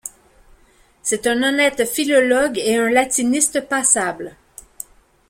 C’est un honnête philologue et un latiniste passable.